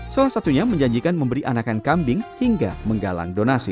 salah satunya menjanjikan memberi anakan kambing hingga menggalang donasi